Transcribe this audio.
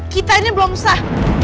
kita ini belum sah